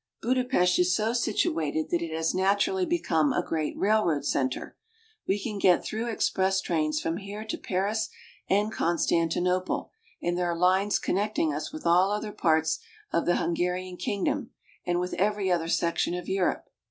Budapest is so situated that it has naturally become a great railroad center. We can get through express trains from here to Paris and Constantinople, and there are lines connecting us with all other parts of the Hungarian king dom and with every other section of Europe.